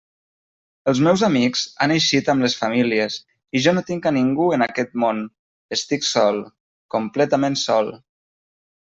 Els meus amics han eixit amb les famílies, i jo no tinc a ningú en aquest món; estic sol..., completament sol.